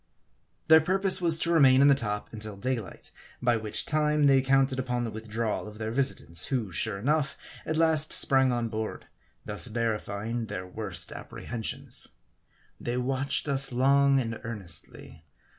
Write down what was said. Their purpose was to remain in the top until daylight ; by which time, they counted upon the withdrawal of their visitants ; who, sure enough, at last sprang on board, thus verifying their worst apprehensions. They watched us long and earnestly.